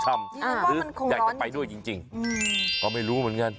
จริงว่ามันคงร้อนอยู่นี่หรืออยากจะไปด้วยจริงก็ไม่รู้เหมือนกัน